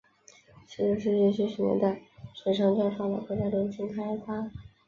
十九世纪七十年代水床在发达国家流行开来。